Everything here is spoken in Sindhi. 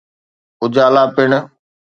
اجالا پڻ.